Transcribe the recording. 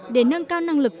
để nâng cao năng lực